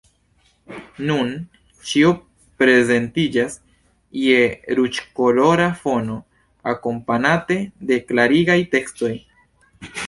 Nun ĉio prezentiĝas je ruĝkolora fono, akompanate de klarigaj tekstoj.